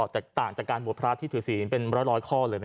แตกต่างจากการบวชพระที่ถือศีลเป็นร้อยข้อเลย